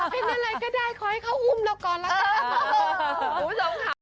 เป็นอะไรก็ได้ขอให้เขาอุ้มเราก่อนละกัน